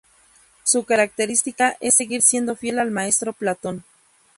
Su característica es seguir siendo fiel al maestro Platón.